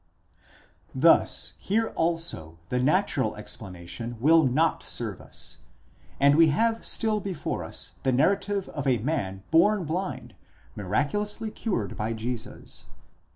Thus here also the natural explanation will not serve us, and we have still before us the narrative of a man born blind, miraculously cured by Jesus.